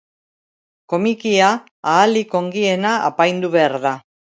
Komikia ahalik ongiena apaindu behar da.